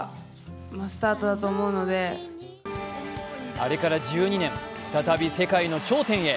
あれから１２年再び世界の頂点へ。